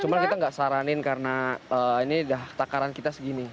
cuma kita nggak saranin karena ini udah takaran kita segini